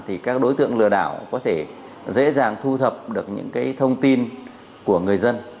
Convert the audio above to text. thì các đối tượng lừa đảo có thể dễ dàng thu thập được những thông tin của người dân